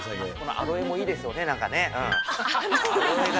アロエがいいですよ。